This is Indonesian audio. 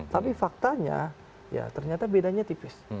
tapi faktanya ya ternyata bedanya tipis